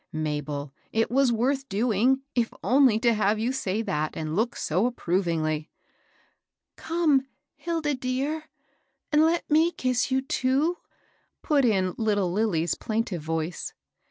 " Mabel \ it was worth doing, if only to have you say that, and look so approvingly." Come, Hilda dear, and let me kiss you, too! " put in little Lilly's plaintive voice.